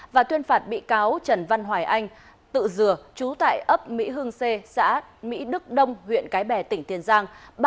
và tuyên phạt bị cáo trần văn hoài anh tự dừa trú tại ấp mỹ hương c xã mỹ đức đông huyện cái bè tỉnh tiền giang